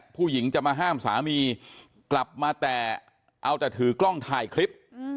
ผู้หญิงจะมาห้ามสามีกลับมาแต่เอาแต่ถือกล้องถ่ายคลิป